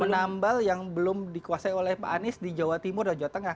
menambal yang belum dikuasai oleh pak anies di jawa timur dan jawa tengah